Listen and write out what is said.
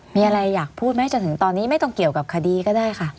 มีอะไรอยากพูดไหมจนถึงตอนนี้ไม่ต้องเกี่ยวกับคดีก็ได้ค่ะ